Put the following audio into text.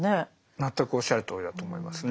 全くおっしゃるとおりだと思いますね。